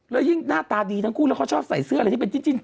แล้วยิ่งหน้าตาดีทั้งคู่แล้วเขาชอบใส่เสื้ออะไรที่เป็นจิ้น